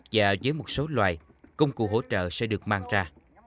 và với một số loài công cụ hỗ trợ sẽ được mang ra